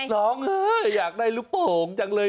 ร้องไห้อยากได้ลูกโป่งจังเลย